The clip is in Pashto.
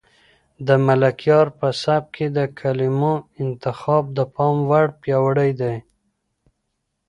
د ملکیار په سبک کې د کلمو انتخاب د پام وړ پیاوړی دی.